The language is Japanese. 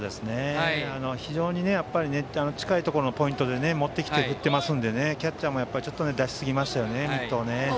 非常に近いところのポイントで持ってきて振っていますのでキャッチャーも出しすぎましたね、ミットを。